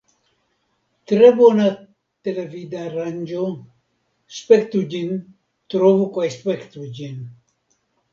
Tre bona televidaranĝo; spektu ĝin trovu kaj spektu ĝin!